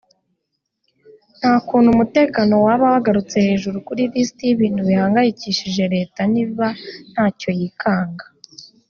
nta kuntu umutekano waba wagarutse hejuru kuri liste y’ibintu bihangayikishije leta niba ntacyo yikanga